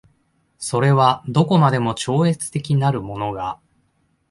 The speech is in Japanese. それはどこまでも超越的なるものが